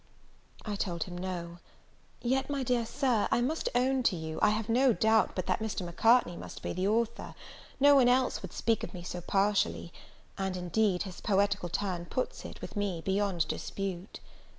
I told him no. Yet, my dear Sir, I must own to you, I have no doubt but that Mr. Macartney must be the author; no one else would speak of me so partially; and, indeed, his poetical turn puts it, with me, beyond dispute.